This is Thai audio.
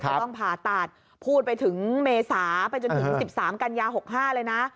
ต้องผ่าตัดพูดไปถึงเมษาไปจนถึง๑๓กันยา๖๕เลยนะ